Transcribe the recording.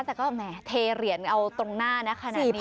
แต่ก็เหมี่ยวเทเหรียญเอาตรงหน้าฯขนาดนี้เลย